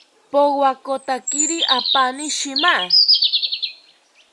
Powakotakiri apani shima